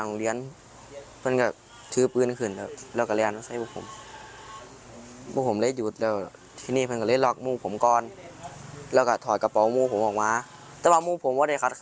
นี่น้องเอเพื่อนคนเจ็บเป็นคนให้ข้อมูลนะคะ